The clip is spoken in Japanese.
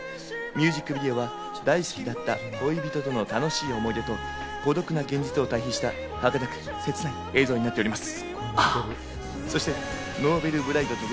ミュージックビデオは大好きだった恋人との楽しい思い出と孤独な現実を対比した儚く、せつない映像になっております。